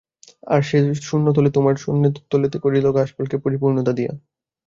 আর সে শূন্য থলে সোনার থলেতে পরিণত করল ঘাসফুলকে পরিপূর্ণতা দিয়ে।